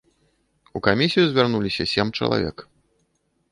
У камісію звярнуліся сем чалавек.